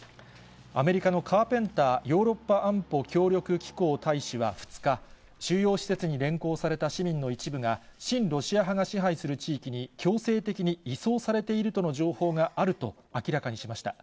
アメリカのカーペンターヨーロッパ安保協力機構大使は２日、収容施設に連行された市民の一部が、親ロシア派が支配する地域に強制的に移送されているとの情報があると明らかにしました。